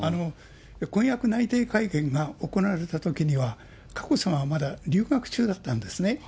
婚約内定会見が行われたときには、佳子さまはまだ留学中だったんですね。